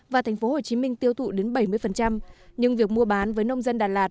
và tp hồ chí minh tiêu thụ đến bảy mươi nhưng việc mua bán với nông dân đà lạt